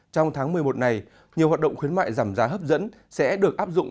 trong tháng một mươi một này nhiều hoạt động khuyến mại giảm giá hấp dẫn sẽ được áp dụng